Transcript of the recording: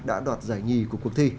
đã đoạt giải nhì của cuộc thi